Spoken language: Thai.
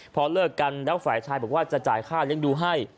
พอเลิกกันแล้วฝ่ายชายบอกว่าจะจ่ายค่าเลี้ยงดูให้